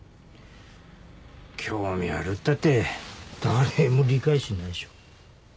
興味あるったって誰も理解しないしょ。